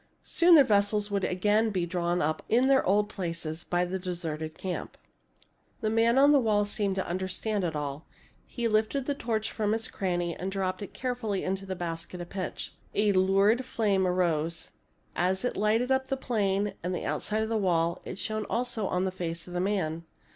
Soon their vessels would again be drawn up in their old places by the deserted camp. The man on the wall seemed to understand it all. He lifted the torch from its cranny and dropped it carefully into the basket of pitch. A lurid flame arose. As it lighted up the plain and the outside of the wall, it shone also upon the face of the man.